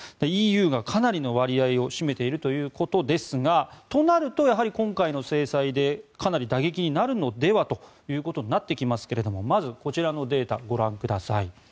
ＥＵがかなりの割合を占めているということですがとなると、やはり今回の制裁でかなり打撃になるのではということになってきますがまず、こちらのデータをご覧ください。